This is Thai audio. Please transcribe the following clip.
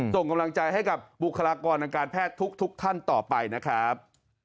ส่งกำลังใจให้กับบุคลากรทางการแพทย์ทุกท่านต่อไปนะครับ